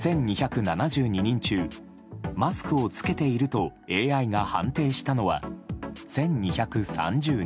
人中マスクを着けているとＡＩが判定したのは１２３０人。